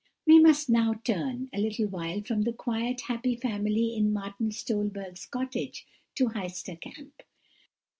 "We must now turn, a little while, from the quiet, happy family in Martin Stolberg's cottage to Heister Kamp.